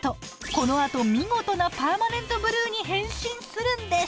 このあと見事なパーマネントブルーに変身するんです！